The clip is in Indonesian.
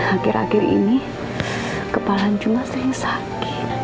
akhir akhir ini kepala cuma saya sakit